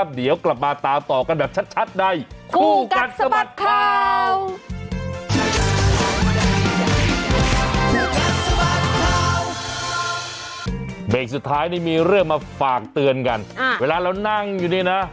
เบรกสุดท้ายนี่มีเรื่องมาฝากเตือนกันเวลาเรานั่งอยู่นี่นะ